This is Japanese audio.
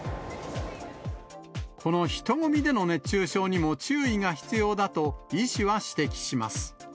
この人混みでの熱中症にも注意が必要だと医師は指摘します。